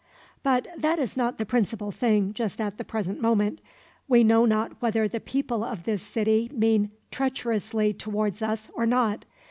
"But that is not the principal thing, just at the present moment. We know not whether the people of this city mean treacherously towards us, or not.